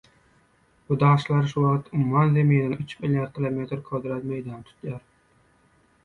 Bu daşlar şuwagt umman zemininiň üç milliard kilometr kwadrat meýdanyny tutýar.